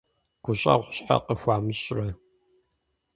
ГущӀэгъу щхьэ къыхуамыщӀрэ?